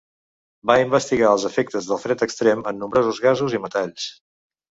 Va investigar els efectes del fred extrem en nombrosos gasos i metalls.